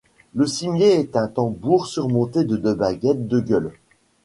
Le cimier est un tambour surmonté de deux baguettes de gueules.